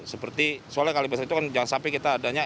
seperti soalnya kali besar itu kan jangan sampai kita adanya f